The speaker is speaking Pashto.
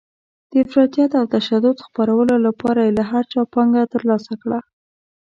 د افراطیت او تشدد خپرولو لپاره یې له هر چا پانګه ترلاسه کړه.